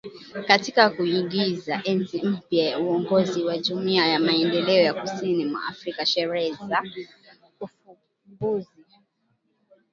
Katika kuingiza enzi mpya ya uongozi wa Jumuiya ya Maendeleo Kusini mwa Afrika sherehe za ufunguzi